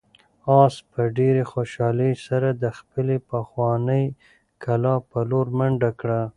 آس په ډېرې خوشحالۍ سره د خپلې پخوانۍ کلا په لور منډه کړه.